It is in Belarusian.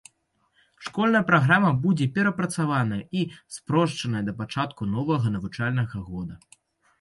Школьная праграма будзе перапрацаваная і спрошчаная да пачатку новага навучальнага года.